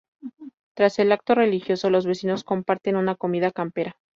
Tras el acto religioso los vecinos comparten una comida campera.